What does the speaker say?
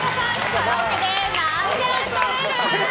カラオケで何点取れる？